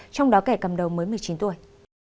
trong đó kẻ cầm đầu mới một mươi chín tuổi